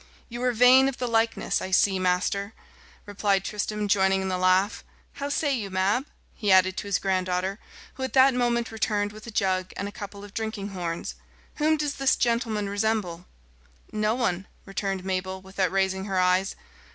"You are vain of the likeness, I see, master," replied Tristram, joining in the laugh. "How say you, Mab?" he added to his granddaughter, who at that moment returned with a jug and a couple of drinking horns. "Whom does this gentleman resemble?" "No one," returned Mabel, without raising her eyes.